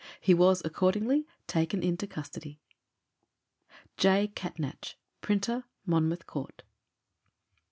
He was accordingly taken into custody. J. Catnach, Printer, Monmouth Court.